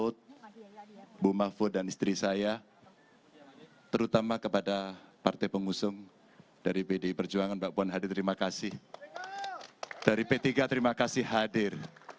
dari p tiga terima kasih hadir